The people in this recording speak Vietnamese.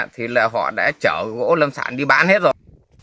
thì là họ đã chở gỗ lâm sản đi bán hết rồi